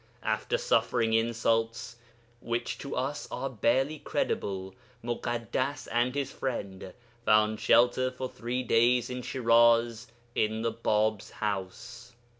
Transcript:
After suffering insults, which to us are barely credible, Muḳaddas and his friend found shelter for three days in Shiraz in the Bāb's house.